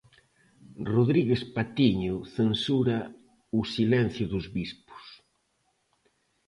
Rodríguez Patiño censura "o silencio dos bispos".